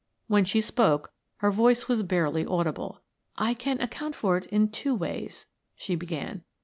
When she spoke her voice was barely audible. "I can account for it in two ways," she began.